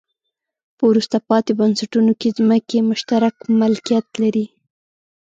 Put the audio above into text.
په وروسته پاتې بنسټونو کې ځمکې مشترک ملکیت لري.